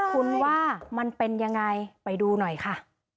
คุณว่ามันเป็นยังไงไปดูหน่อยค่ะ